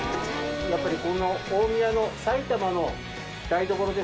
やっぱりこの大宮の。